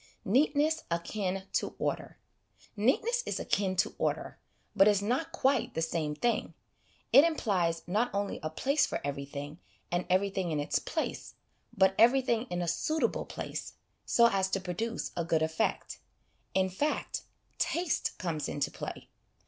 Neatness Akin to Order. Neatness is akin to order, but is not quite the same thing : it implies not only ' a place for everything, and everything in its place,' but everything in a suitable place, so as to produce a good effect ; in fact, taste comes into play.